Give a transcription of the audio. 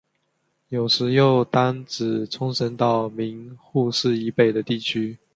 有时又单指冲绳岛名护市以北的地域。